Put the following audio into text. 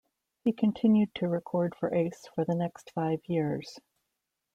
He continued to record for Ace for the next five years.